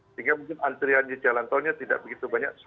sehingga mungkin antrian di jalan tolnya tidak begitu banyak